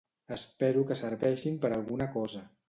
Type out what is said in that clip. Espero que serveixin per alguna cosa.